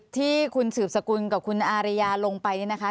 ที่คุณสืบสกุลกับคุณอาริยาลงไปนี่นะคะ